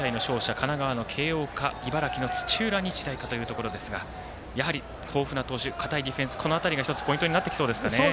神奈川の慶応か茨城の土浦日大かというところですが豊富な投手堅いディフェンスがポイントになってきそうですかね。